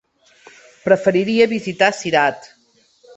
Preferiria visitar Cirat.